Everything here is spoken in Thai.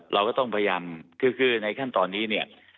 เราก็ต้องพยายามคือในขั้นตอนนี้เนี่ย